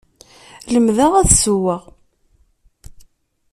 Lemdeɣ ad ssewweɣ.